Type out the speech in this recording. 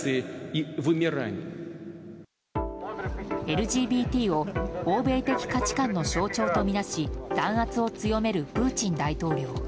ＬＧＢＴを欧米的価値観の象徴とみなし弾圧を強めるプーチン大統領。